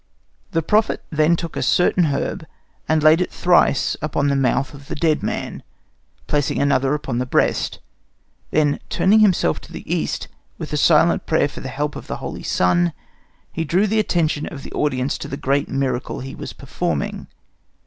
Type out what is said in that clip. "The prophet then took a certain herb and laid it thrice upon the mouth of the dead man, placing another upon the breast. Then, turning himself to the east with a silent prayer for the help of the holy sun, he drew the attention of the audience to the great miracle he was performing.